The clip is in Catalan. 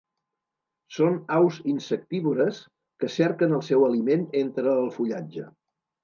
Són aus insectívores que cerquen el seu aliment entre el fullatge.